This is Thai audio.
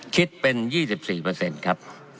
คิดเป็น๒๔ครับ